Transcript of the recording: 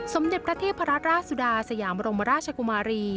สมเด็จพระเทพรัตราชสุดาสยามรมราชกุมารี